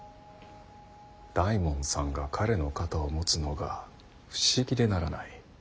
大門さんが彼の肩を持つのが不思議でならない。